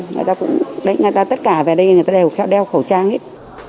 người ta tất cả về đây người ta đều khéo đeo khẩu trang hết